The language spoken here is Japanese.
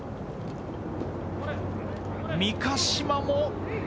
三ヶ島も。